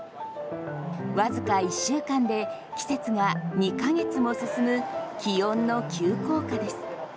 わずか１週間で季節が２か月も進む気温の急降下です。